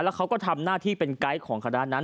แล้วเขาก็ทำหน้าที่เป็นไกด์ของคณะนั้น